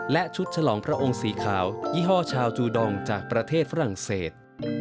และชุดฉลองพระองค์สีขาวยี่ห้อชาวจูดองจากประเทศฝรั่งเศส